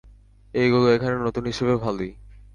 এইগুলো এখানে, নতুন হিসেবে ভালই।